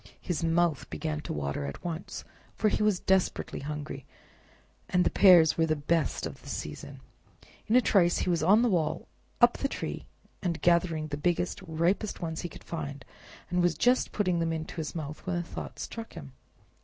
His mouth began to water at once, for he was desperately hungry, and the pears were the best of the season. In a trice he was on the wall, up the tree, and gathering the biggest and ripest one he could find, was just putting it into his mouth when a thought struck him.